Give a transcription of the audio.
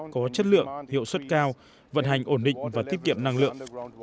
có chất lượng hiệu suất cao vận hành ổn định và tiết kiệm năng lượng